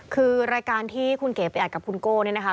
คือรายการที่คุณเก๋ไปอัดกับคุณโก้เนี่ยนะคะ